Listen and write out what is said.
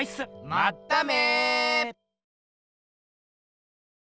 まっため！